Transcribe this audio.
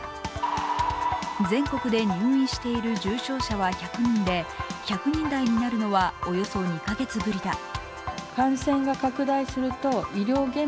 全国で入院している重症者は１００人で、１００人台になるのはおよそ２カ月ぶりだ。